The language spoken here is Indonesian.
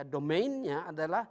domain nya adalah